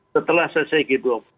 setelah selesai g dua puluh